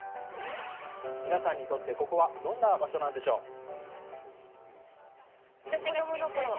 皆さんにとってここはどんな場所なんでしょう。